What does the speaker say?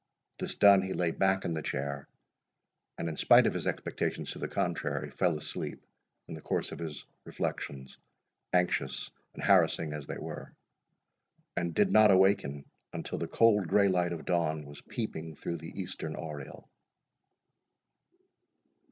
This done, he lay back in the chair; and, in spite of his expectations to the contrary, fell asleep in the course of his reflections, anxious and harassing as they were, and did not awaken until the cold grey light of dawn was peeping through the eastern oriel.